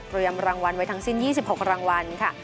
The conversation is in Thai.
รางวัลไว้ทั้งสิ้น๒๖รางวัลค่ะ